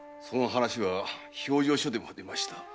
その話は評定所でも出ました。